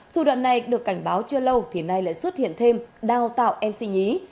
thủ đoạn này được cảnh báo chưa lâu thì nay lại xuất hiện thêm đào tạo mc nhí